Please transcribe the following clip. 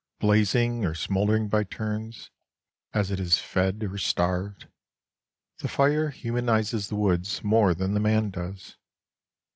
Blazing or smouldering by turns, as it is fed or starved, the fire humanizes the woods more than the man does.